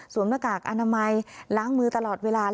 หน้ากากอนามัยล้างมือตลอดเวลา